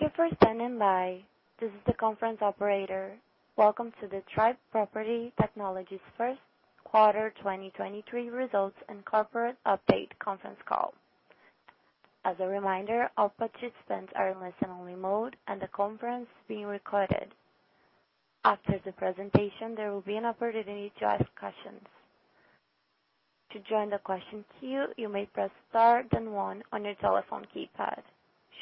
Thank you for standing by. This is the conference operator. Welcome to the Tribe Property Technologies first quarter 2023 results and Corporate Update conference call. As a reminder, all participants are in listen-only mode. The conference is being recorded. After the presentation, there will be an opportunity to ask questions. To join the question queue, you may press star, then one on your telephone keypad.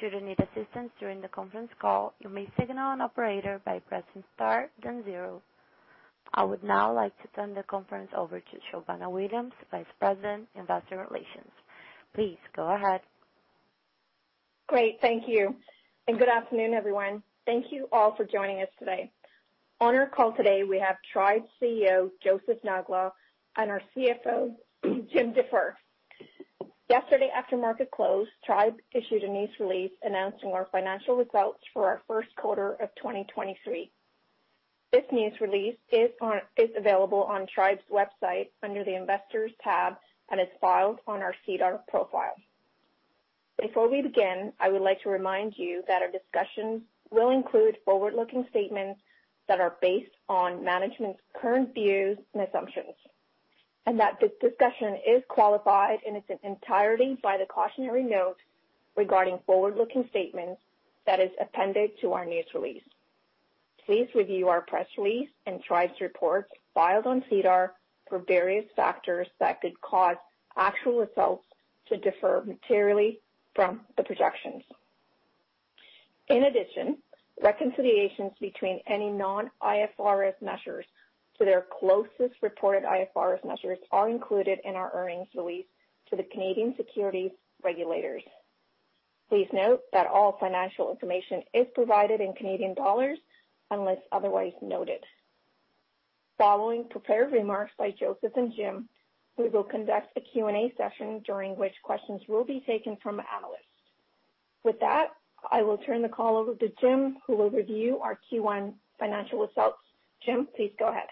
Should you need assistance during the conference call, you may signal an operator by pressing star, then zero. I would now like to turn the conference over to Shobana Williams, Vice President, Investor Relations. Please go ahead. Great, thank you. Good afternoon, everyone. Thank you all for joining us today. On our call today, we have Tribe's CEO, Joseph Nakhla, and our CFO, Jim Defer. Yesterday, after market close, Tribe issued a news release announcing our financial results for our first quarter of 2023. This news release is available on Tribe's website under the Investors tab and is filed on our SEDAR profile. Before we begin, I would like to remind you that our discussions will include forward-looking statements that are based on management's current views and assumptions, and that this discussion is qualified in its entirety by the cautionary note regarding forward-looking statements that is appended to our news release. Please review our press release and Tribe's reports filed on SEDAR for various factors that could cause actual results to differ materially from the projections. In addition, reconciliations between any non-IFRS measures to their closest reported IFRS measures are included in our earnings release to the Canadian Securities Administrators. Please note that all financial information is provided in Canadian dollars unless otherwise noted. Following prepared remarks by Joseph and Jim, we will conduct a Q&A session during which questions will be taken from analysts. With that, I will turn the call over to Jim, who will review our Q1 financial results. Jim, please go ahead.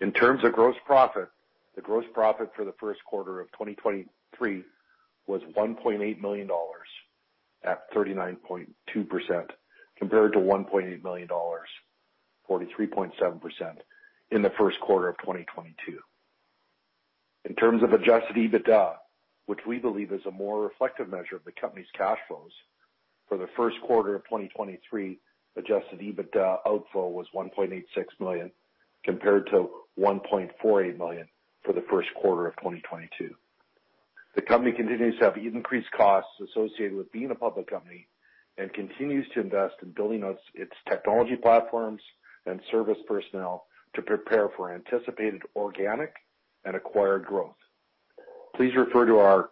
In terms of gross profit, the gross profit for the first quarter of 2023 was 1.8 million dollars at 39.2%, compared to 1.8 million dollars, 43.7% in the first quarter of 2022. In terms of Adjusted EBITDA, which we believe is a more reflective measure of the company's cash flows, for the first quarter of 2023, Adjusted EBITDA outflow was 1.86 million, compared to 1.48 million for the first quarter of 2022. The company continues to have increased costs associated with being a public company and continues to invest in building us its technology platforms and service personnel to prepare for anticipated organic and acquired growth. Please refer to our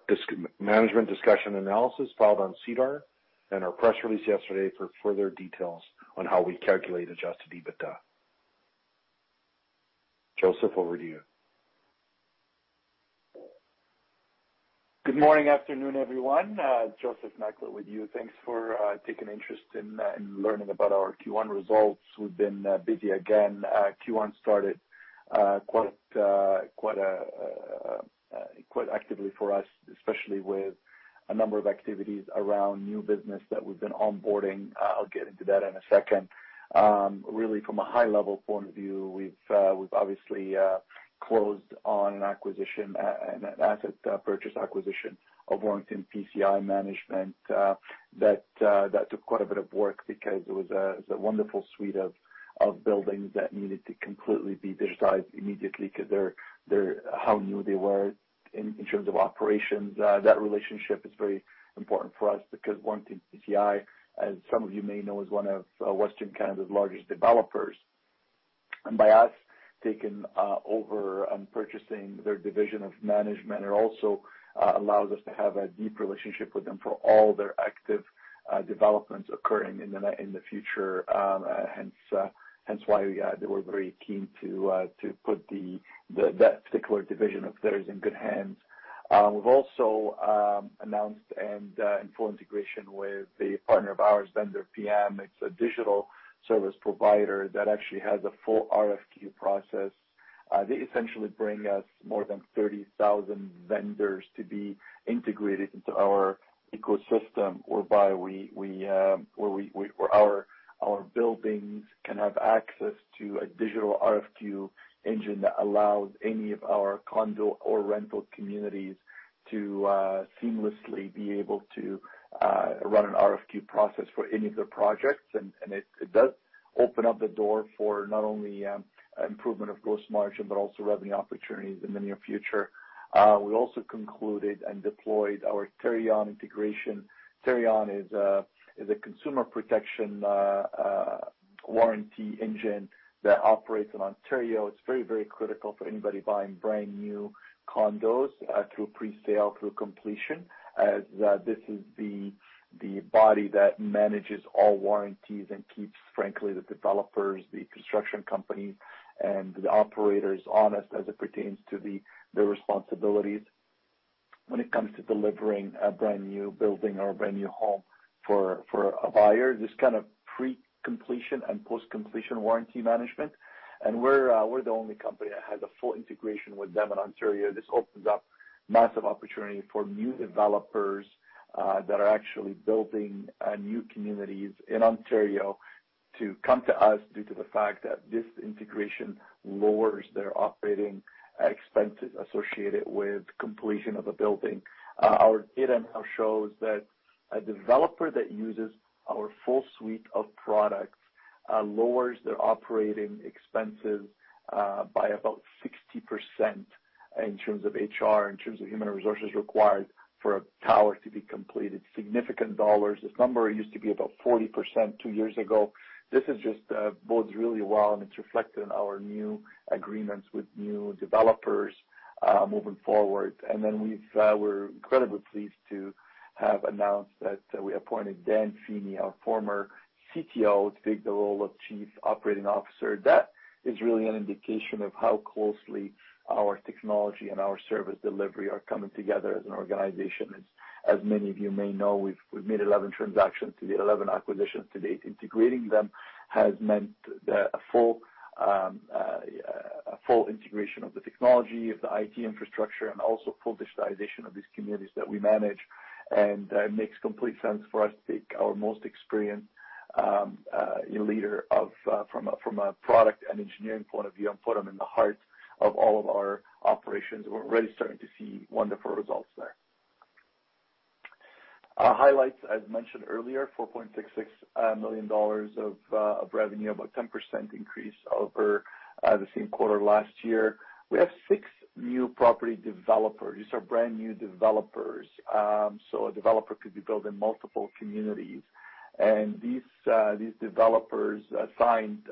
management discussion analysis filed on SEDAR and our press release yesterday for further details on how we calculate Adjusted EBITDA. Joseph, over to you. Good morning, afternoon, everyone, Joseph Nakhla with you. Thanks for taking interest in learning about our Q1 results. We've been busy again. Q1 started quite actively for us, especially with a number of activities around new business that we've been onboarding. I'll get into that in a second. Really, from a high level point of view, we've obviously closed on an acquisition, an asset purchase acquisition of Warrington PCI Management. That took quite a bit of work because it was a, it's a wonderful suite of buildings that needed to completely be digitized immediately because they're how new they were in terms of operations. That relationship is very important for us because Warrington PCI, as some of you may know, is one of Western Canada's largest developers. By us taking over and purchasing their division of management, it also allows us to have a deep relationship with them for all their active developments occurring in the future. Hence why they were very keen to put the particular division of theirs in good hands. We've also announced and in full integration with a partner of ours, VendorPM. It's a digital service provider that actually has a full RFQ process. They essentially bring us more than 30,000 vendors to be integrated into our ecosystem, whereby our buildings can have access to a digital RFQ engine that allows any of our condo or rental communities to seamlessly be able to run an RFQ process for any of their projects. It does open up the door for not only improvement of gross margin, but also revenue opportunities in the near future. We also concluded and deployed our Tarion integration. Tarion is a consumer protection warranty engine that operates in Ontario. It's very, very critical for anybody buying brand-new condos, through pre-sale, through completion, as this is the body that manages all warranties and keeps, frankly, the developers, the construction company, and the operators honest as it pertains to their responsibilities when it comes to delivering a brand-new building or a brand-new home for a buyer. This kind of pre-completion and post-completion warranty management, we're the only company that has a full integration with them in Ontario. This opens up massive opportunity for new developers that are actually building new communities in Ontario to come to us due to the fact that this integration lowers their operating expenses associated with completion of a building. Our data now shows that a developer that uses our full suite of products lowers their operating expenses by about 60% in terms of HR, in terms of human resources required for a tower to be completed. Significant dollars. This number used to be about 40% two years ago. This is just bodes really well, and it's reflected in our new agreements with new developers moving forward. We've, we're incredibly pleased to have announced that we appointed Dan Feeny, our former CTO, to take the role of Chief Operating Officer. That is really an indication of how closely our technology and our service delivery are coming together as an organization. As many of you may know, we've made 11 transactions to the 11 acquisitions to date. Integrating them has meant that a full, a full integration of the technology, of the IT infrastructure, and also full digitization of these communities that we manage. It makes complete sense for us to take our most experienced leader of, from a product and engineering point of view and put him in the heart of all of our operations. We're already starting to see wonderful results there. Highlights, as mentioned earlier, 4.66 million dollars of revenue, about 10% increase over the same quarter last year. We have six new property developers. These are brand-new developers. A developer could be building multiple communities. These developers signed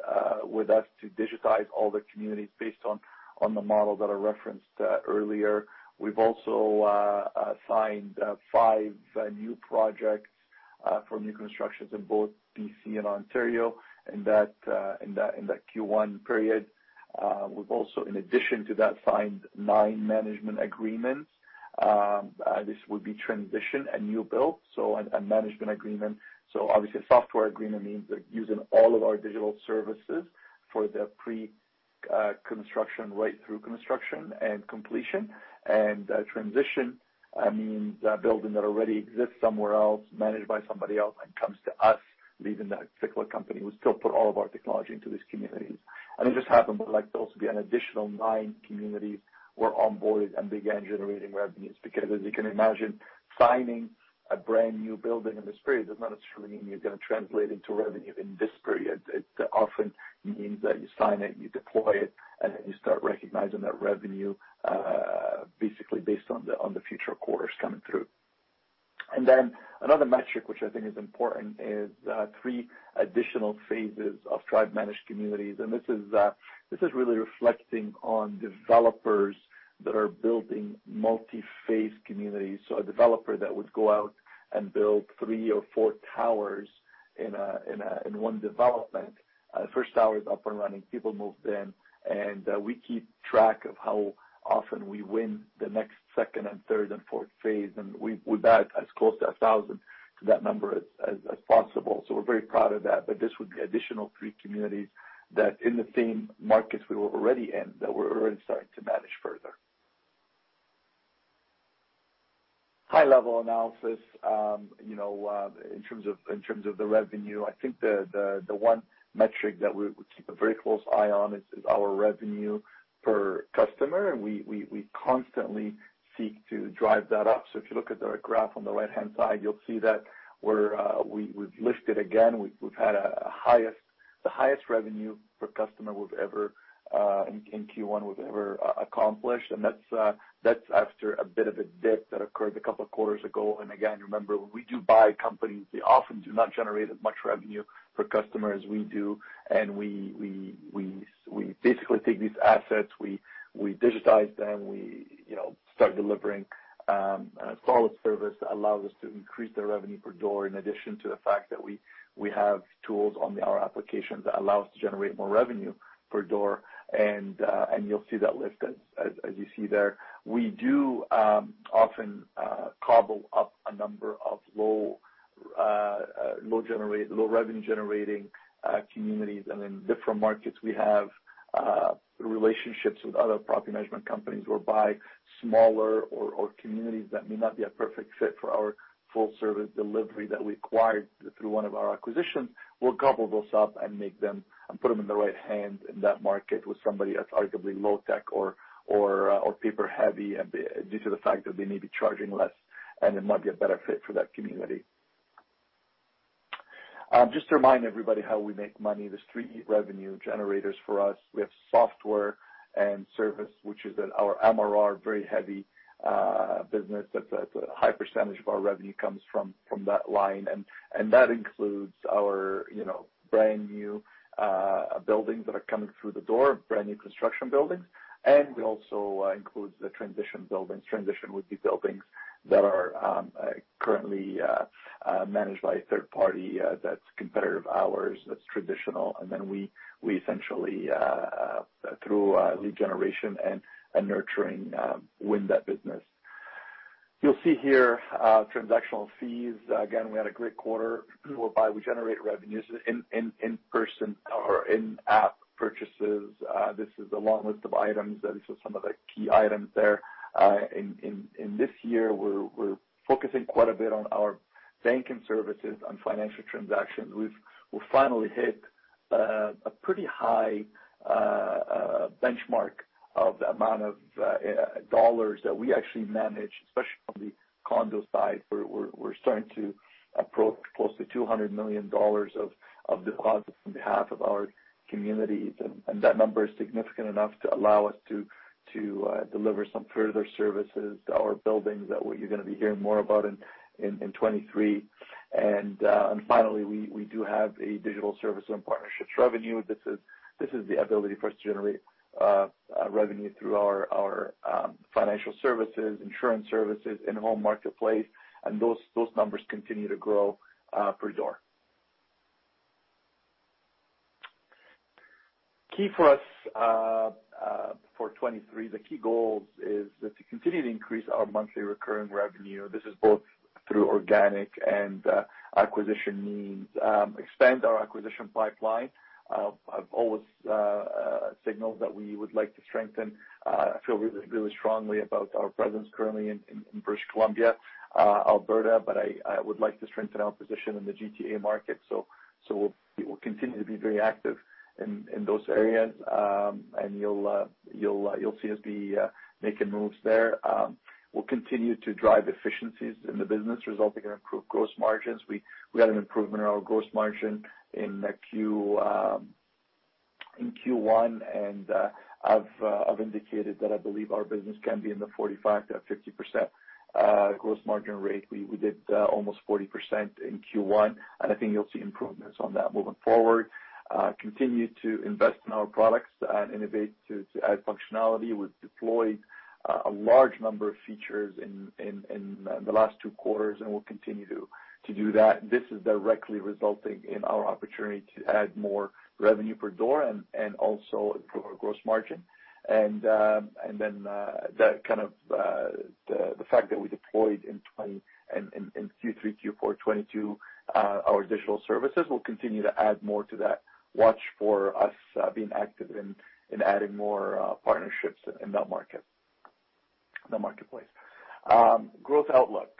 with us to digitize all the communities based on the model that I referenced earlier. We've also signed five new projects for new constructions in both BC and Ontario in that Q1 period. We've also, in addition to that, signed nine management agreements. This would be transition and new build, so a management agreement. Obviously, a software agreement means they're using all of our digital services for the pre-construction right through construction and completion. Transition, I means a building that already exists somewhere else, managed by somebody else, and comes to us, leaving that particular company. We still put all of our technology into these communities. It just happened, but like to also be an additional nine communities were onboarded and began generating revenues. As you can imagine, signing a brand-new building in this period does not necessarily mean you're gonna translate into revenue in this period. It often means that you sign it, you deploy it, and then you start recognizing that revenue, basically based on the, on the future quarters coming through. Another metric, which I think is important, is, three additional phases of Tribe-managed communities. This is really reflecting on developers that are building multi-phase communities. A developer that would go out and build three or four towers in a development. First tower is up and running, people move in, and we keep track of how often we win the next second and third and fourth phase, and we bat as close to a thousand to that number as possible. We're very proud of that. This would be additional three communities that in the same markets we were already in, that we're already starting to manage further. High-level analysis, you know, in terms of the revenue, I think the one metric that we keep a very close eye on is our revenue per customer, and we constantly seek to drive that up. If you look at the graph on the right-hand side, you'll see that we're, we've lifted again. We've had the highest revenue per customer we've ever in Q1 accomplished. That's after a bit of a dip that occurred 2 quarters ago. Again, remember, when we do buy companies, they often do not generate as much revenue per customer as we do. We basically take these assets, we digitize them, we, you know, start delivering a solid service that allows us to increase the revenue per door, in addition to the fact that we have tools on our application that allow us to generate more revenue per door. You'll see that lift as you see there. We do often cobble up a number of low revenue-generating communities. In different markets, we have relationships with other property management companies or buy smaller communities that may not be a perfect fit for our full service delivery that we acquired through one of our acquisitions. We'll cobble those up and make them, put them in the right hands in that market with somebody that's arguably low tech or paper heavy, due to the fact that they may be charging less, and it might be a better fit for that community. Just to remind everybody how we make money, there's three revenue generators for us. We have software and service, which is our MRR, very heavy business. That's a high percentage of our revenue comes from that line. That includes our, you know, brand-new buildings that are coming through the door, brand-new construction buildings. It also includes the transition buildings. Transition would be buildings that are currently managed by a third party, that's competitive hours, that's traditional. We essentially, through lead generation and nurturing, win that business. You'll see here, transactional fees. We had a great quarter whereby we generated revenues in-person or in-app purchases. This is a long list of items. These are some of the key items there. In this year, we're focusing quite a bit on our banking services on financial transactions. We finally hit a pretty high benchmark of the amount of dollars that we actually manage, especially on the condo side, where we're starting to approach closely 200 million dollars of deposits on behalf of our communities. That number is significant enough to allow us to deliver some further services to our buildings that what you're gonna be hearing more about in 2023. Finally, we do have a digital service and partnerships revenue. This is the ability for us to generate revenue through our financial services, insurance services, in-home marketplace, and those numbers continue to grow per door. Key for us for 2023, the key goals is to continue to increase our monthly recurring revenue. This is both through organic and acquisition means. Expand our acquisition pipeline. I've always signaled that we would like to strengthen. I feel really strongly about our presence currently in British Columbia, Alberta, but I would like to strengthen our position in the GTA market. We'll continue to be very active in those areas. You'll see us be making moves there. We'll continue to drive efficiencies in the business, resulting in improved gross margins. We had an improvement in our gross margin in Q1. I've indicated that I believe our business can be in the 45%-50% gross margin rate. We did almost 40% in Q1. I think you'll see improvements on that moving forward. Continue to invest in our products and innovate to add functionality. We've deployed a large number of features in the last two quarters, and we'll continue to do that. This is directly resulting in our opportunity to add more revenue per door and also improve our gross margin. Then, that kind of the fact that we deployed in Q3, Q4 2022, our digital services, we'll continue to add more to that. Watch for us being active in adding more partnerships in that marketplace. Growth outlook,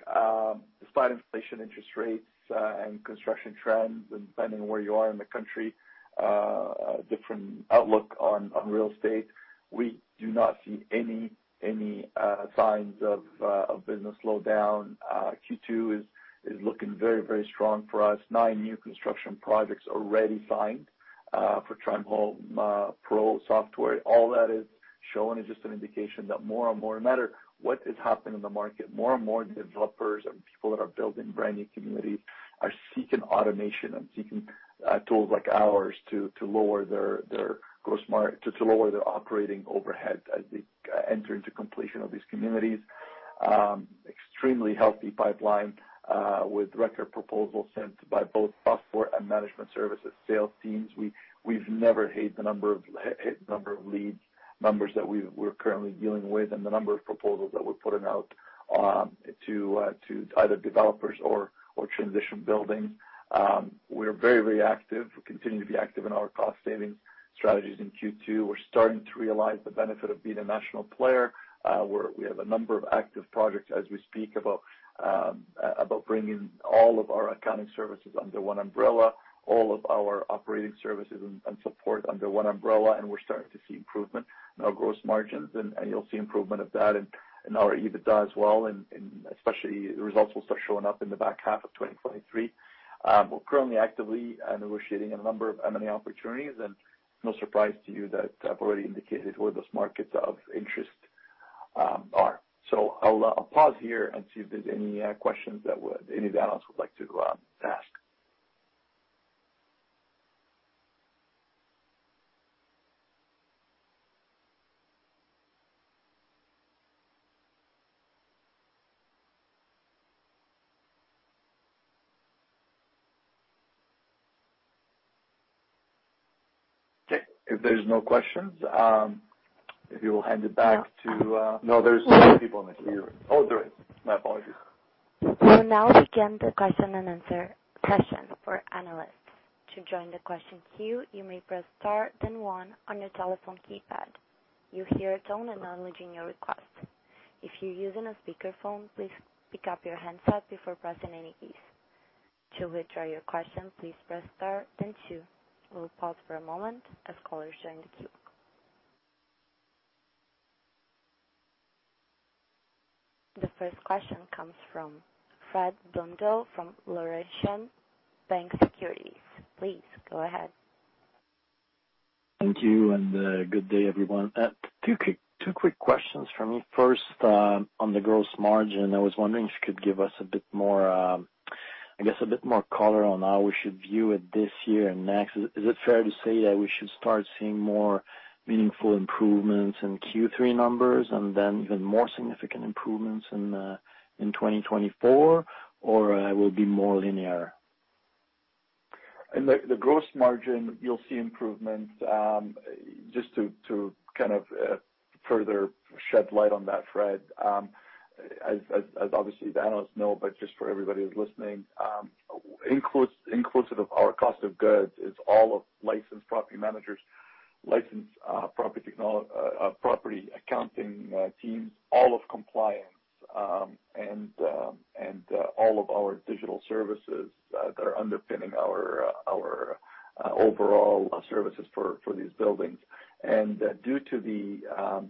despite inflation, interest rates, and construction trends, and depending on where you are in the country, a different outlook on real estate, we do not see any signs of a business slowdown. Q2 is looking very strong for us. Nine new construction projects already signed for Tribe Home Pro software. All that is showing is just an indication that more and more, no matter what is happening in the market, more and more developers and people that are building brand new communities are seeking automation and seeking tools like ours to lower their gross mar- to lower their operating overhead as they enter into completion of these communities. Extremely healthy pipeline with record proposals sent by both Passport and Management Services sales teams. We've never hit the number of leads, numbers that we're currently dealing with and the number of proposals that we're putting out to either developers or transition buildings. We're very active. We continue to be active in our cost-saving strategies in Q2. We're starting to realize the benefit of being a national player. We have a number of active projects as we speak about about bringing all of our accounting services under one umbrella, all of our operating services and support under one umbrella, and we're starting to see improvement in our gross margins, and you'll see improvement of that in our EBITDA as well, and especially the results will start showing up in the back half of 2023. We're currently actively negotiating a number of M&A opportunities, and no surprise to you that I've already indicated where those markets of interest are. I'll pause here and see if there's any questions that any of the analysts would like to ask. Okay, if there's no questions, if you will hand it back to. No, there's people in the queue. Oh, there is. My apologies. We'll now begin the question and answer session for analysts. To join the question queue, you may press star then one on your telephone keypad. You'll hear a tone acknowledging your request. If you're using a speakerphone, please pick up your handset before pressing any keys. To withdraw your question, please press star then two. We'll pause for a moment as callers join the queue. The first question comes from Frederic Blondeau from Laurentian Bank Securities. Please go ahead. Thank you, good day, everyone. Two quick questions from me. First, on the gross margin, I was wondering if you could give us a bit more, I guess a bit more color on how we should view it this year and next. Is it fair to say that we should start seeing more meaningful improvements in Q3 numbers and then even more significant improvements in 2024, or it will be more linear? The gross margin, you'll see improvements. Just to kind of further shed light on that, Fred, as obviously the analysts know, but just for everybody who's listening, inclusive of our cost of goods is all of licensed property managers, licensed property accounting teams, all of compliance, and all of our digital services that are underpinning our overall services for these buildings. Due to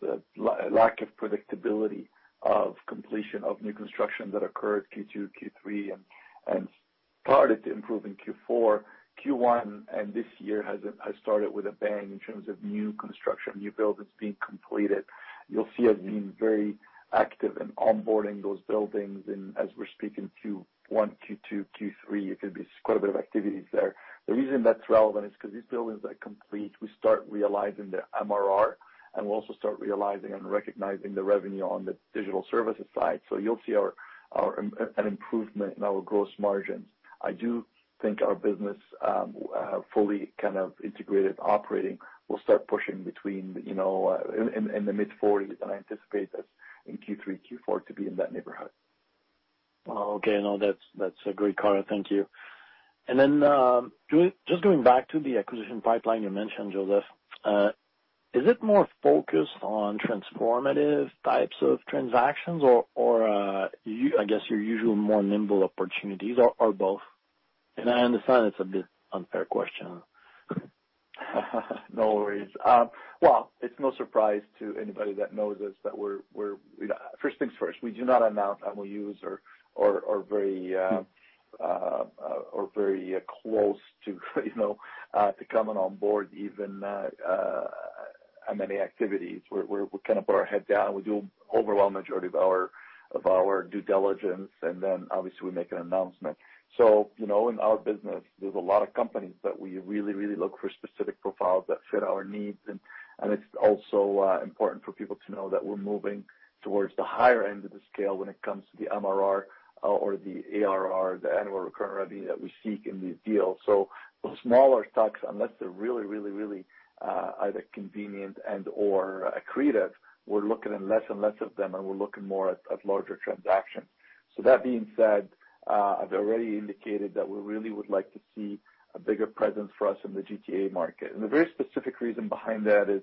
the lack of predictability of completion of new construction that occurred Q2, Q3, and started to improve in Q4, Q1, and this year has started with a bang in terms of new construction, new buildings being completed. You'll see us being very active in onboarding those buildings. As we're speaking, Q1, Q2, Q3, it could be quite a bit of activities there. The reason that's relevant is because these buildings are complete. We start realizing the MRR, and we also start realizing and recognizing the revenue on the digital services side. You'll see an improvement in our gross margins. I do think our business, fully kind of integrated operating, will start pushing between, you know, in the mid-forties, and I anticipate this in Q3, Q4 to be in that neighborhood. Okay. No, that's a great color. Thank you. Then, just going back to the acquisition pipeline you mentioned, Joseph, is it more focused on transformative types of transactions or, I guess, your usual more nimble opportunities, or both? I understand it's a bit unfair question. No worries. It's no surprise to anybody that knows us. First things first, we do not announce MoUs or very close to, you know, to coming on board even on many activities. We kind of put our head down. We do overwhelming majority of our due diligence, and then, obviously, we make an announcement. You know, in our business, there's a lot of companies that we really look for specific profiles that fit our needs. It's also important for people to know that we're moving towards the higher end of the scale when it comes to the MRR or the ARR, the annual recurring revenue that we seek in these deals. Those smaller stocks, unless they're really, really, really, either convenient and/or accretive, we're looking at less and less of them, and we're looking more at larger transactions. The very specific reason behind that is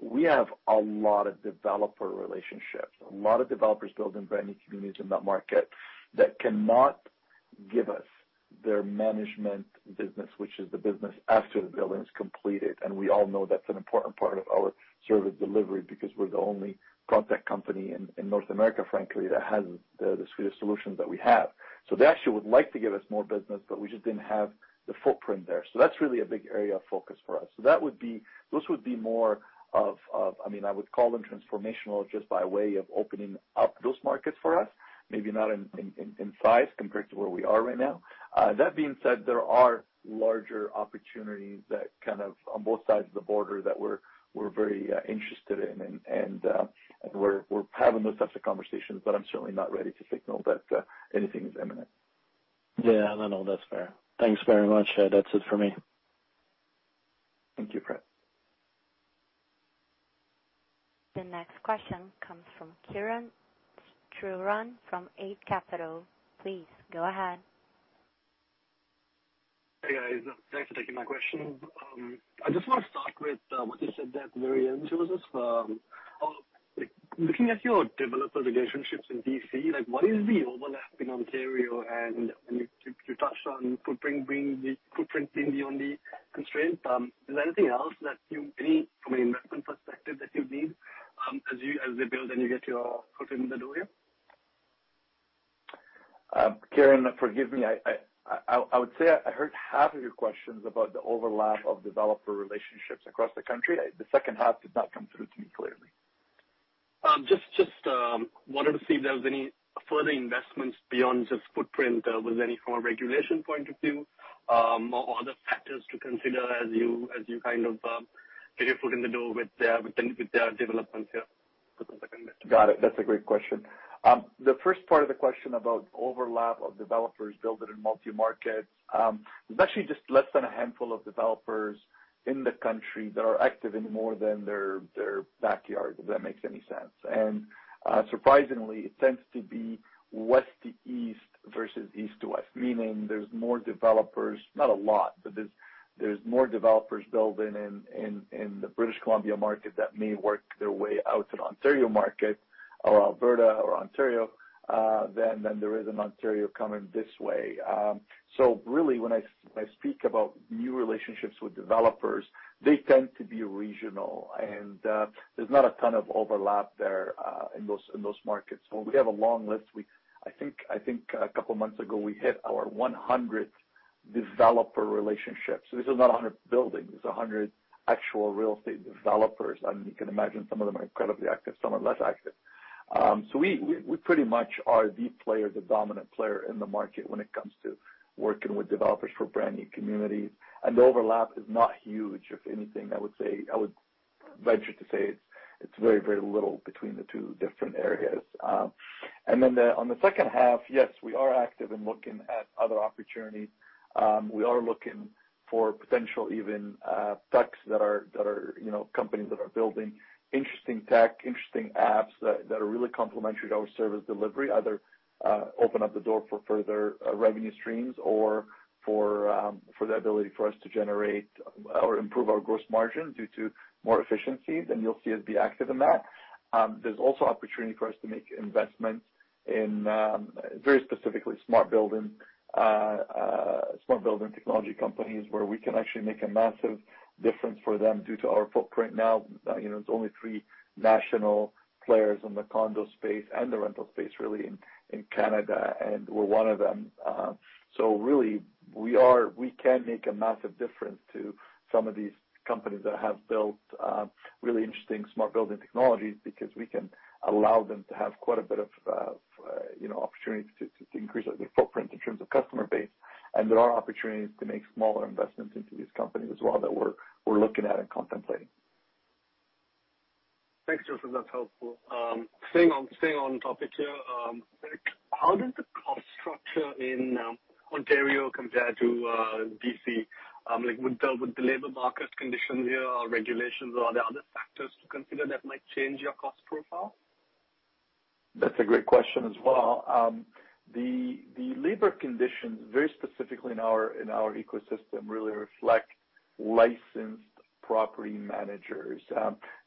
we have a lot of developer relationships. A lot of developers building brand new communities in that market that cannot give us their management business, which is the business after the building is completed. We all know that's an important part of our service delivery because we're the only proptech company in North America, frankly, that has the suite of solutions that we have. They actually would like to give us more business, but we just didn't have the footprint there. That's really a big area of focus for us. Those would be more of, I mean, I would call them transformational just by way of opening up those markets for us, maybe not in size compared to where we are right now. That being said, there are larger opportunities that kind of on both sides of the border that we're very interested in, and we're having those types of conversations, but I'm certainly not ready to signal that anything is imminent. Yeah, I know. That's fair. Thanks very much. That's it for me. Thank you, Fred. The next question comes from Kiran Sritharan, from Eight Capital. Please, go ahead. Hey, guys. Thanks for taking my question. I just want to start with what you said that very end, Joseph. Looking at your developer relationships in BC, like, what is the overlap in Ontario? When you touched on footprint being the only constraint, is there anything else that you any from an investment perspective that you need as they build and you get your footprint in the door here? Kiran, forgive me, I would say I heard half of your questions about the overlap of developer relationships across the country. The second half did not come through to me clearly. Just wanted to see if there was any further investments beyond just footprint, with any from a regulation point of view, or other factors to consider as you kind of get your foot in the door with their developments here for the second investment? Got it. That's a great question. The first part of the question about overlap of developers building in multi-market, there's actually just less than a handful of developers in the country that are active in more than their backyard, if that makes any sense. Surprisingly, it tends to be west to east versus east to west, meaning there's more developers, not a lot, but there's more developers building in the British Columbia market that may work their way out to the Ontario market or Alberta or Ontario than there is in Ontario coming this way. Really, when I speak about new relationships with developers, they tend to be regional, and there's not a ton of overlap there in those markets. We have a long list. I think a couple of months ago, we hit our 100th developer relationship. This is not 100 buildings, it's 100 actual real estate developers. You can imagine some of them are incredibly active, some are less active. We pretty much are the player, the dominant player in the market when it comes to working with developers for brand new communities. The overlap is not huge. If anything, I would say venture to say it's very, very little between the two different areas. Then on the second half, yes, we are active in looking at other opportunities. We are looking for potential even, techs that are, you know, companies that are building interesting tech, interesting apps that are really complementary to our service delivery, either, open up the door for further, revenue streams or for the ability for us to generate or improve our gross margin due to more efficiency. You'll see us be active in that. There's also opportunity for us to make investments in, very specifically smart building, smart building technology companies where we can actually make a massive difference for them due to our footprint. You know, there's only three national players in the condo space and the rental space really in Canada, and we're one of them. Really, we can make a massive difference to some of these companies that have built, really interesting smart building technologies because we can allow them to have quite a bit of, you know, opportunity to increase their footprint in terms of customer base. There are opportunities to make smaller investments into these companies as well, that we're looking at and contemplating. Thanks, Joseph. That's helpful. Staying on topic here, how does the cost structure in Ontario compare to BC? Like, with the labor market conditions there or regulations, or are there other factors to consider that might change your cost profile? That's a great question as well. The labor conditions, very specifically in our ecosystem, really reflect licensed property managers.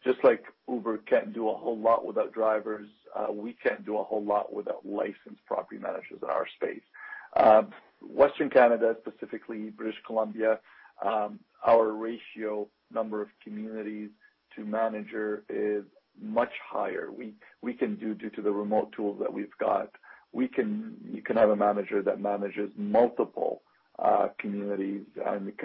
Just like Uber can't do a whole lot without drivers, we can't do a whole lot without licensed property managers in our space. Western Canada, specifically British Columbia, our ratio number of communities to manager is much higher. We can do, due to the remote tools that we've got, you can have a manager that manages multiple communities, and it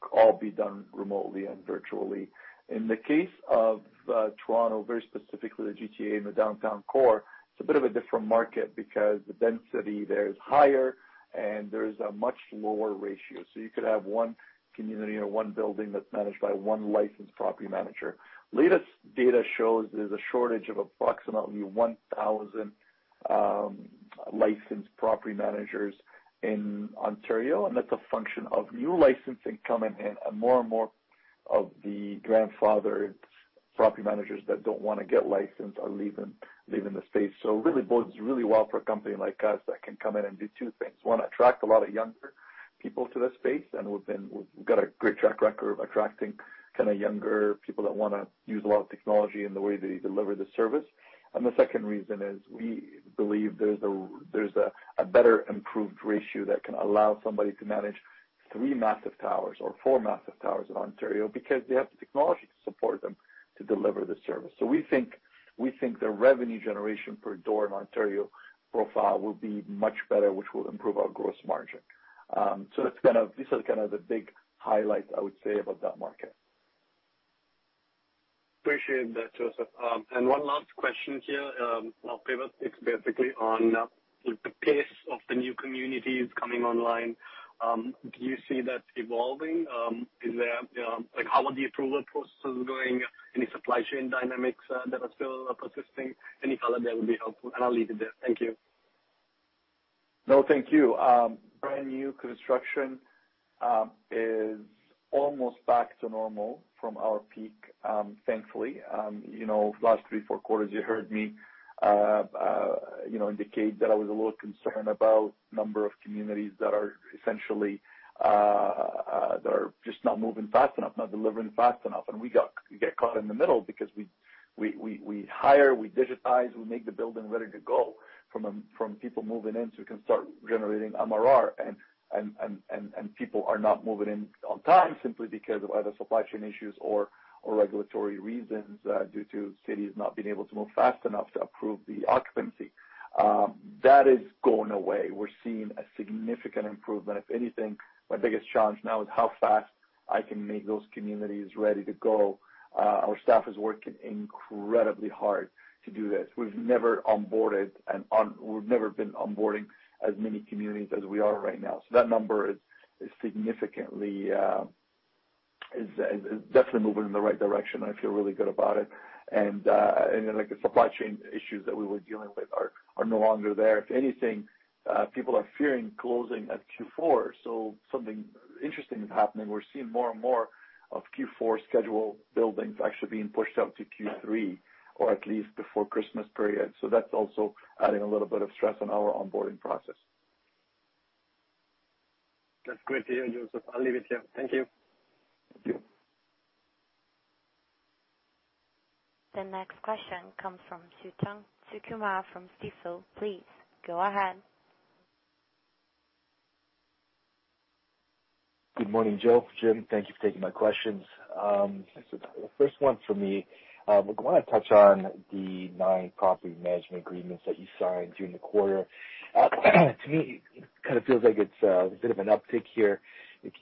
can all be done remotely and virtually. In the case of Toronto, very specifically the GTA and the downtown core, it's a bit of a different market because the density there is higher and there is a much lower ratio. You could have one community or one building that's managed by one licensed property manager. Latest data shows there's a shortage of approximately 1,000 licensed property managers in Ontario. That's a function of new licensing coming in, and more and more of the grandfathered property managers that don't wanna get licensed are leaving the space. It really bodes really well for a company like us that can come in and do two things. One, attract a lot of younger people to this space. We've got a great track record of attracting kinda younger people that wanna use a lot of technology in the way they deliver the service. The second reason is, we believe there's a, there's a better improved ratio that can allow somebody to manage three massive towers or four massive towers in Ontario because they have the technology to support them to deliver the service. We think the revenue generation per door in Ontario profile will be much better, which will improve our gross margin. This is kind of the big highlight I would say, about that market. Appreciate that, Joseph. One last question here, well, pivot. It's basically on the pace of the new communities coming online. Do you see that evolving? Is there, like, how are the approval processes going? Any supply chain dynamics that are still persisting? Any color there would be helpful, and I'll leave it there. Thank you. No, thank you. Brand new construction is almost back to normal from our peak, thankfully. You know, last three, four quarters, you heard me, you know, indicate that I was a little concerned about number of communities that are essentially just not moving fast enough, not delivering fast enough. We get caught in the middle because we hire, we digitize, we make the building ready to go from people moving in, so we can start generating MRR, and people are not moving in on time simply because of either supply chain issues or regulatory reasons due to cities not being able to move fast enough to approve the occupancy. That is going away. We're seeing a significant improvement. If anything, my biggest challenge now is how fast I can make those communities ready to go. Our staff is working incredibly hard to do this. We've never been onboarding as many communities as we are right now. That number is significantly, is definitely moving in the right direction. I feel really good about it. The supply chain issues that we were dealing with are no longer there. If anything, people are fearing closing at Q4, something interesting is happening. We're seeing more and more of Q4 schedule buildings actually being pushed out to Q3 or at least before Christmas period. That's also adding a little bit of stress on our onboarding process. That's great to hear, Joseph. I'll leave it here. Thank you. Thank you. The next question comes from Suthan Sukumar from Stifel. Please, go ahead. Good morning, Joe, Jim. Thank you for taking my questions. The first one for me, I wanna touch on the nine property management agreements that you signed during the quarter. To me, it kind of feels like it's a bit of an uptick here. Is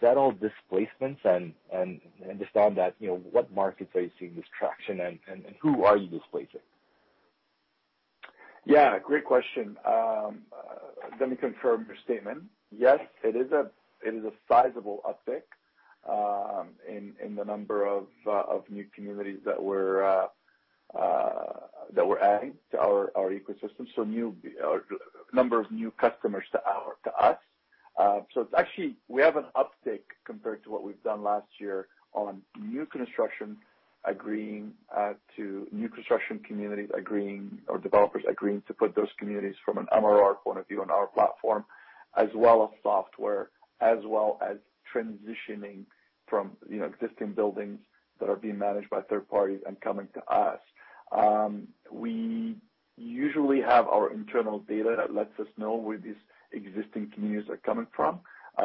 that all displacements and understand that, you know, what markets are you seeing this traction and who are you displacing? Yeah, great question. Let me confirm your statement. Yes, it is a sizable uptick in the number of new communities that we're adding to our ecosystem. Number of new customers to us. It's actually, we have an uptick compared to what we've done last year on new construction agreeing to new construction communities agreeing or developers agreeing to put those communities from an MRR point of view on our platform, as well as software, as well as transitioning from, you know, existing buildings that are being managed by third parties and coming to us. We usually have our internal data that lets us know where these existing communities are coming from.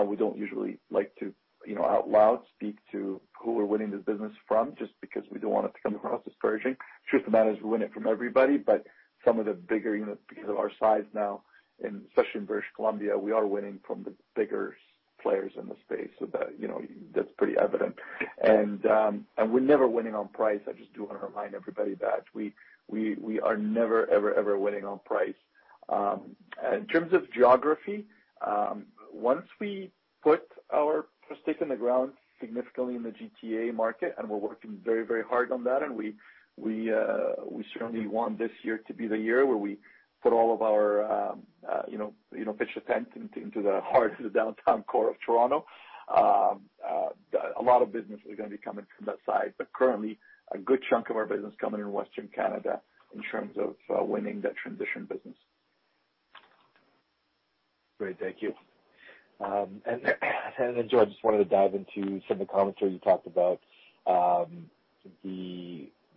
We don't usually like to, you know, out loud, speak to who we're winning this business from, just because we don't want it to come across as purging. Truth of the matter is, we win it from everybody, but some of the bigger, you know, because of our size now, and especially in British Columbia, we are winning from the bigger players in the space. That, you know, that's pretty evident. We're never winning on price. I just do want to remind everybody that we are never winning on price. In terms of geography, once we put our stake in the ground significantly in the GTA market, and we're working very, very hard on that, and we certainly want this year to be the year where we put all of our, you know, pitch a tent into the heart of the downtown core of Toronto. A lot of business is going to be coming from that side, but currently, a good chunk of our business is coming in Western Canada in terms of winning that transition business. Great. Thank you. Joe, I just wanted to dive into some of the commentary you talked about,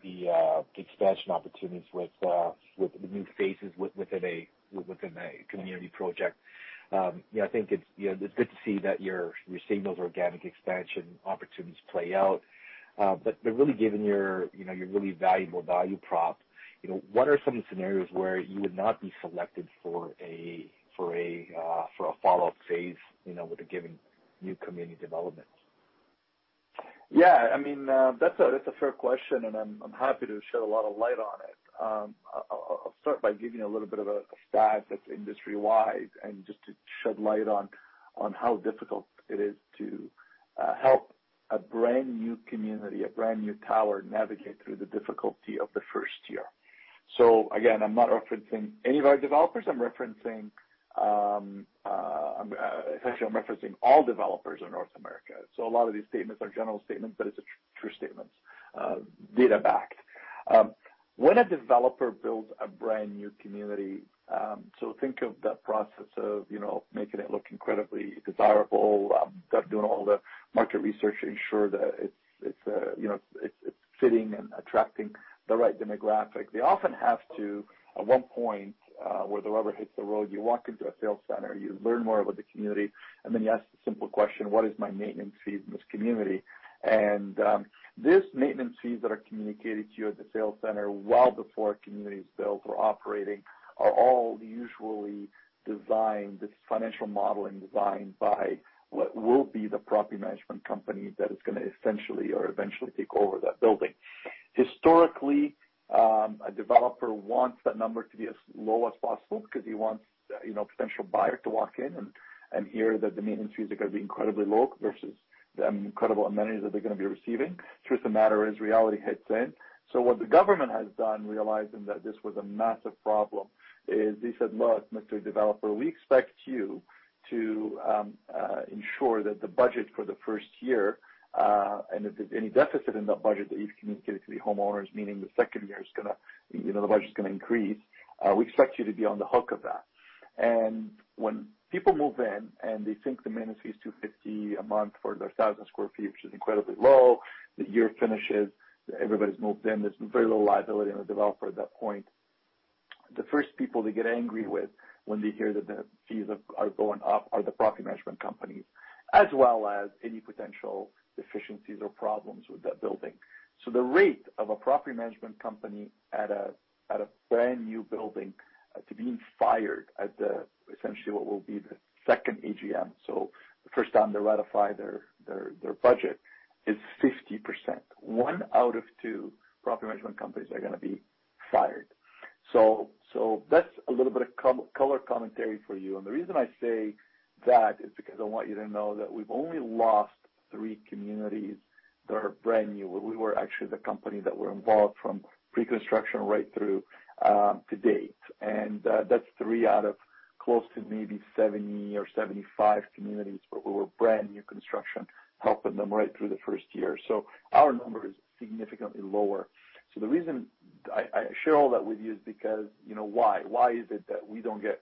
the expansion opportunities with the new phases within a community project. Yeah, I think it's, you know, it's good to see that you're seeing those organic expansion opportunities play out. Really given your, you know, your really valuable value prop, what are some scenarios where you would not be selected for a follow-up phase, you know, with a given new community development? Yeah, I mean, that's a, that's a fair question, and I'm happy to shed a lot of light on it. I'll start by giving you a little bit of a stat that's industry-wide, and just to shed light on how difficult it is to help a brand-new community, a brand-new tower, navigate through the difficulty of the first year. Again, I'm not referencing any of our developers. Actually, I'm referencing all developers in North America. A lot of these statements are general statements, but it's a true statement, data-backed. When a developer builds a brand-new community, so think of that process of, you know, making it look incredibly desirable, doing all the market research to ensure that it's, you know, it's fitting and attracting the right demographic. They often have to, at one point, where the rubber hits the road, you walk into a sales center, you learn more about the community, and then you ask the simple question: "What is my maintenance fee in this community?" These maintenance fees that are communicated to you at the sales center well before a community is built or operating, are all usually designed, this financial modeling designed by what will be the property management company that is going to essentially or eventually take over that building. Historically, a developer wants that number to be as low as possible because he wants, you know, a potential buyer to walk in and hear that the maintenance fees are going to be incredibly low versus the incredible amenities that they're going to be receiving. Truth of the matter is, reality hits in. What the government has done, realizing that this was a massive problem, is they said: "Look, Mr. Developer, we expect you to ensure that the budget for the first year, and if there's any deficit in that budget that you've communicated to the homeowners, meaning the second year is gonna, you know, the budget is gonna increase, we expect you to be on the hook of that." When people move in and they think the maintenance fee is $250 a month for their 1,000 sq ft, which is incredibly low, the year finishes, everybody's moved in, there's very little liability on the developer at that point. The first people they get angry with when they hear that the fees are going up, are the property management companies, as well as any potential deficiencies or problems with that building. The rate of a property management company at a brand-new building, essentially what will be the second AGM. The first time they ratify their budget is 50%. 1 out of 2 property management companies are going to be fired. That's a little bit of color commentary for you. The reason I say that is because I want you to know that we've only lost three communities that are brand new, where we were actually the company that were involved from pre-construction right through to date. That's three out of close to maybe 70 or 75 communities, where we were brand-new construction, helping them right through the first year. Our number is significantly lower. The reason I share all that with you is because, you know, why? Why is it that we don't get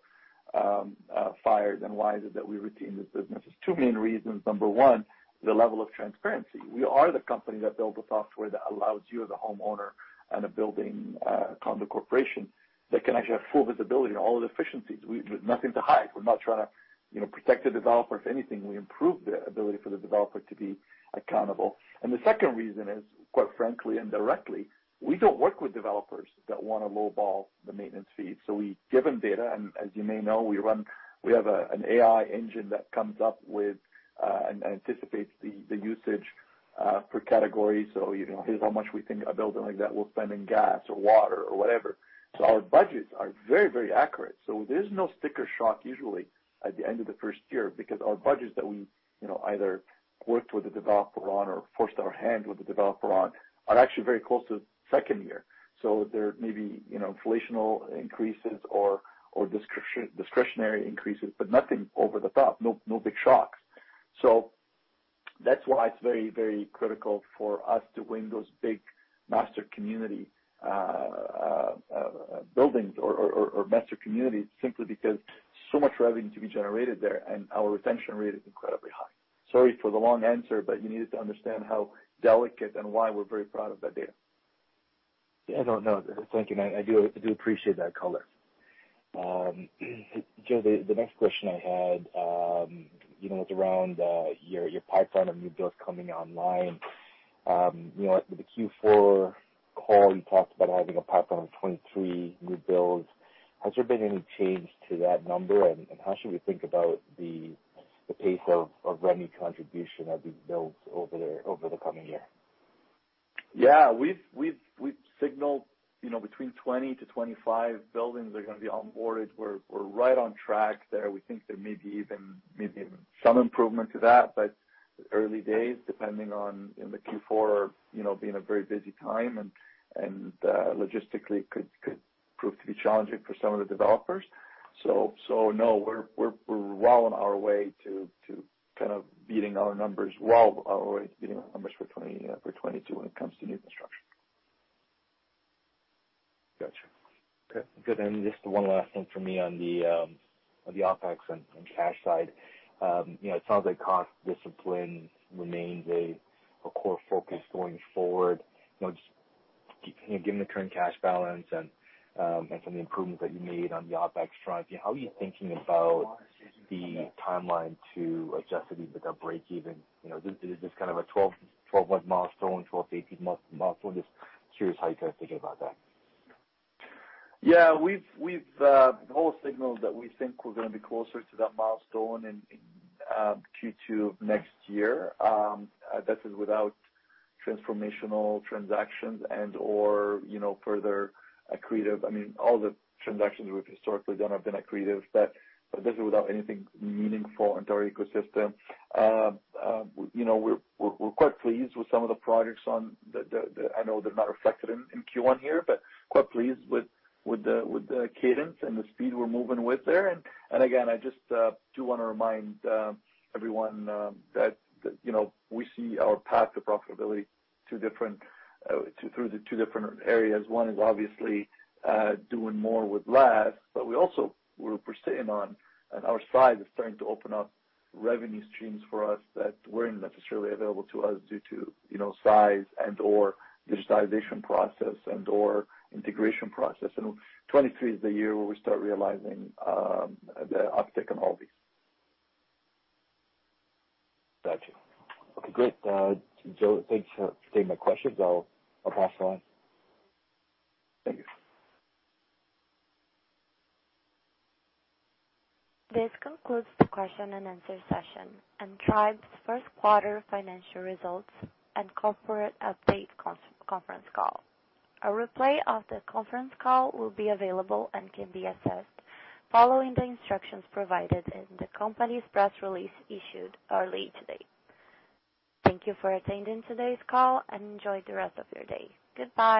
fired, and why is it that we retain this business? There's two main reasons. Number one, the level of transparency. We are the company that builds the software that allows you, as a homeowner and a building, condo corporation, that can actually have full visibility on all of the efficiencies. There's nothing to hide. We're not trying to, you know, protect the developer. If anything, we improve the ability for the developer to be accountable. The second reason is, quite frankly and directly, we don't work with developers that want to lowball the maintenance fees. We give them data, and as you may know, we have an AI engine that comes up with and anticipates the usage per category. You know, here's how much we think a building like that will spend in gas or water or whatever. Our budgets are very, very accurate. There's no sticker shock, usually, at the end of the first year, because our budgets that we, you know, either worked with the developer on or forced our hand with the developer on, are actually very close to the second year. There may be, you know, inflationary increases or discretionary increases, but nothing over the top. No big shocks. That's why it's very, very critical for us to win those big master community buildings or master communities, simply because so much revenue to be generated there, and our retention rate is incredibly high. Sorry for the long answer, but you needed to understand how delicate and why we're very proud of that data. Yeah, no, thank you. I do appreciate that color. Joe, the next question I had, you know, it's around your pipeline of new builds coming online. You know, at the Q4 call, you talked about having a pipeline of 23 new builds. Has there been any change to that number? How should we think about the pace of revenue contribution of these builds over the coming year? We've signaled, you know, between 20-25 buildings are gonna be onboarded. We're right on track there. We think there may be even maybe some improvement to that, but early days, depending on, you know, the Q4, you know, being a very busy time and logistically could prove to be challenging for some of the developers. No, we're well on our way to kind of beating our numbers, well on our way to beating our numbers for 2022 when it comes to new construction. Gotcha. Okay, good. Just one last thing for me on the OpEx and cash side. You know, it sounds like cost discipline remains a core focus going forward. You know, given the current cash balance and some of the improvements that you made on the OpEx front, how are you thinking about the timeline to adjustability with a break even? You know, is this kind of a 12-month milestone, 12 to 18-month milestone? Just curious how you guys are thinking about that. Yeah, we've signaled that we think we're gonna be closer to that milestone in Q2 of next year. That is without transformational transactions and/or, you know, further accretive. I mean, all the transactions we've historically done have been accretive, but this is without anything meaningful into our ecosystem. You know, we're quite pleased with some of the projects on the-- I know they're not reflected in Q1 here, but quite pleased with the cadence and the speed we're moving with there. Again, I just do wanna remind everyone that, you know, we see our path to profitability two different, through the two different areas. One is obviously, doing more with less, but we also, we're persisting on, and our size is starting to open up revenue streams for us that weren't necessarily available to us due to, you know, size and/or digitization process and/or integration process. 2023 is the year where we start realizing, the uptick in all these. Gotcha. Okay, great, Joe, thanks for taking my questions. I'll pass along. Thank you. This concludes the question and answer session, Tribe's first quarter financial results and corporate update conference call. A replay of the conference call will be available and can be accessed following the instructions provided in the company's press release issued early today. Thank you for attending today's call, enjoy the rest of your day. Goodbye.